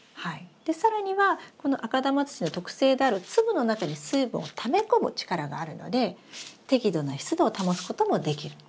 で更にはこの赤玉土の特性である粒の中に水分をため込む力があるので適度な湿度を保つこともできる。